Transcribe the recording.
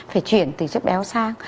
phải chuyển từ chất béo sang